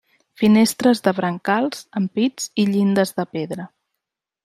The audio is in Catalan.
Finestres de brancals, ampits i llindes de pedra.